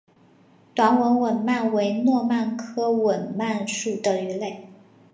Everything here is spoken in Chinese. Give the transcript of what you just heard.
短吻吻鳗为糯鳗科吻鳗属的鱼类。